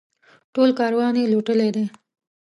ټول کاروان یې لوټلی دی.